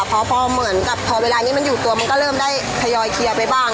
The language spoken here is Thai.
พอเหมือนกับพอเวลานี้มันอยู่ตัวมันก็เริ่มได้ทยอยเคลียร์ไปบ้าง